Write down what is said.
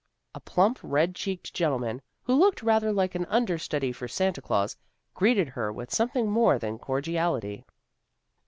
A plump, red cheeked gentleman, who looked rather like an under study for Santa Glaus, greeted her with some thing more than cordiality.